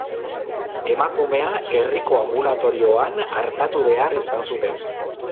Emakumea herriko anbulatorioan artatu behar izan zuten.